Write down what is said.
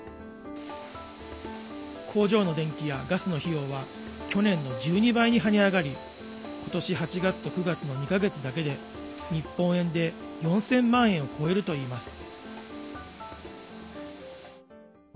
工場の電気やガスの費用は去年の１２倍に跳ね上がり今年８月と９月の２か月だけで日本円で４０００万円を超えるといいます。